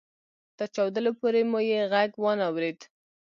تر چاودلو پورې مو يې ږغ وانه اورېد.